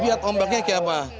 pertandingannya kayak apa